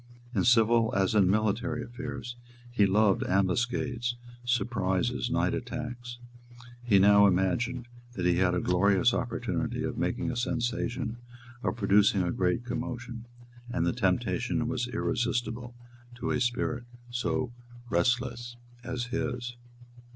In civil as in military affairs, he loved ambuscades, surprises, night attacks. He now imagined that he had a glorious opportunity of making a sensation, of producing a great commotion; and the temptation was irresistible to a spirit so restless as his.